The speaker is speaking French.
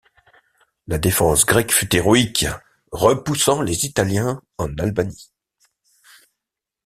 La défense grecque fut héroïque, repoussant les Italiens en Albanie.